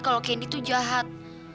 kalo kendi tuh jahat